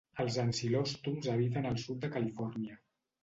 Els ancilòstoms habiten al sud de Califòrnia.